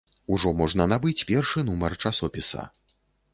Ужо можна набыць першы нумар часопіса.